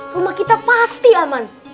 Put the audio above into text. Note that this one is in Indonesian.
rumah kita pasti aman